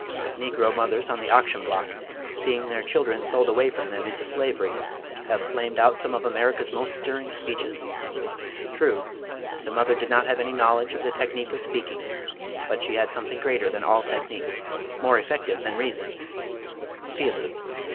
Negro mothers on the auction block seeing their children sold away from them into slavery have flamed out some of America's most stirring speeches. True, the mother did not have any knowledge of the technique of speaking, but she had something greater than all technique, more effective than reason: feeling.